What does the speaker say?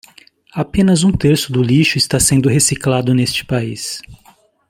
Apenas um terço do lixo está sendo reciclado neste país.